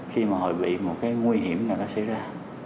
khi mà họ bị một cái nguy hiểm nào nó xảy ra